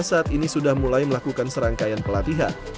saat ini sudah mulai melakukan serangkaian pelatihan